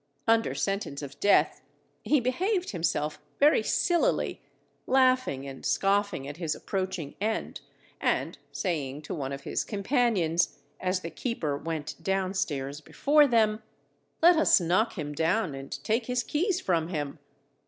Under sentence of death, he behaved himself very sillily, laughing and scoffing at his approaching end, and saying to one of his companions, as the keeper went downstairs before them, _Let us knock him down and take his keys from him.